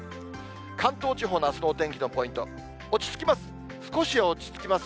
関東地方のあすのお天気のポイント、落ち着きます。